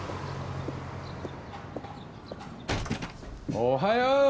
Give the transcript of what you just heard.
おはよう！